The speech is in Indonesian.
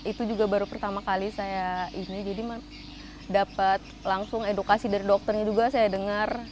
itu juga baru pertama kali saya ini jadi dapat langsung edukasi dari dokternya juga saya dengar